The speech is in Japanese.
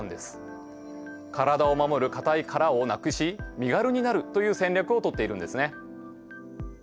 体を守る硬い殻をなくし身軽になるという戦略をとっているんですね。